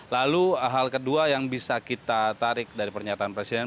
lalu hal kedua yang bisa kita tarik dari pernyataan presiden